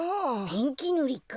ペンキぬりか。